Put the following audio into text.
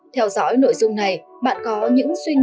theo dõi nội dung này bạn có những suy nghĩ